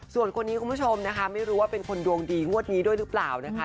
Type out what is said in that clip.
ส่วนคนนี้คุณผู้ชมนะคะไม่รู้ว่าเป็นคนดวงดีงวดนี้ด้วยหรือเปล่านะคะ